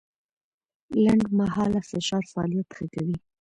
لنډمهاله فشار فعالیت ښه کوي.